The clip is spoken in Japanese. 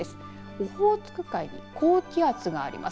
オホーツク海高気圧があります。